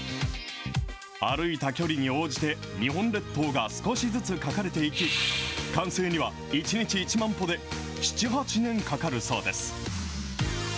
歩いた距離に応じて、日本列島が少しずつ描かれていき、完成には１日１万歩で７、８年かかるそうです。